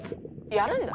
やるんだ。